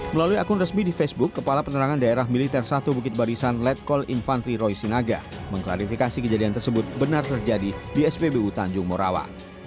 melalui akun resmi di facebook kepala penerangan daerah militer satu bukit barisan letkol infantri roy sinaga mengklarifikasi kejadian tersebut benar terjadi di spbu tanjung morawa